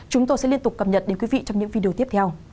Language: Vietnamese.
chúng tôi sẽ liên tục cập nhật đến quý vị trong những video tiếp theo